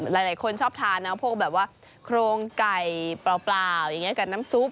หลายคนชอบทานนะพวกแบบว่าโครงไก่เปล่าอย่างนี้กับน้ำซุป